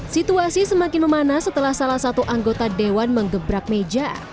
situasi semakin memanas setelah salah satu anggota dewan mengebrak meja